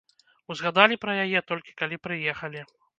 Узгадалі пра яе, толькі калі прыехалі.